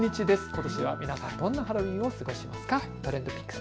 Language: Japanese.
ことしは皆さんどんなハロウィーンを過ごしますか？